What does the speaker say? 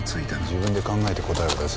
自分で考えて答えを出せ。